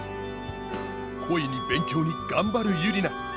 恋に勉強に頑張るユリナ。